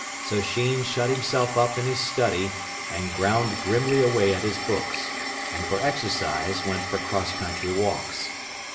So Sheen shut himself up in his study and ground grimly away at his books, and for exercise went for cross country walks.